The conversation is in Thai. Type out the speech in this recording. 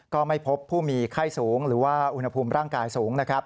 ก็ไม่พบผู้มีไข้สูงหรือว่าอุณหภูมิร่างกายสูงนะครับ